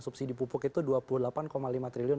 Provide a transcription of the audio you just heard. subsidi pupuk itu dua puluh delapan lima triliun